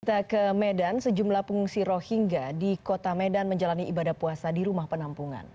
kita ke medan sejumlah pengungsi rohingya di kota medan menjalani ibadah puasa di rumah penampungan